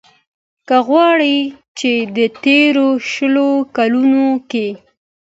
که غواړۍ ،چې د تېرو شلو کالو کې